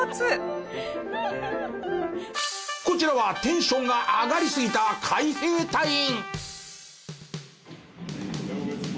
こちらはテンションが上がりすぎた海兵隊員。